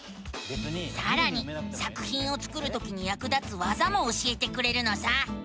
さらに作ひんを作るときにやく立つわざも教えてくれるのさ！